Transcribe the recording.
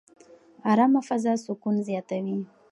ارامه فضا سکون زیاتوي.